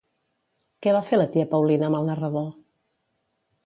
Què va fer la tia Paulina amb el narrador?